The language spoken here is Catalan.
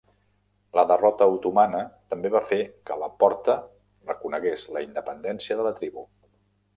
La derrota otomana també va fer que la Porta reconegués la independència de la tribu.